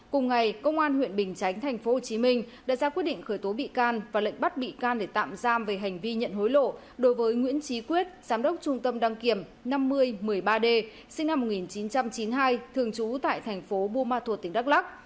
cùng ngày công an huyện bình chánh tp hcm đã ra quyết định khởi tố bị can và lệnh bắt bị can để tạm giam về hành vi nhận hối lộ đối với nguyễn trí quyết giám đốc trung tâm đăng kiểm năm mươi một mươi ba d sinh năm một nghìn chín trăm chín mươi hai thường trú tại tp bumatut tp đắc lắc